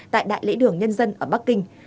tại đại lễ đường nhân dân ở bắc kinh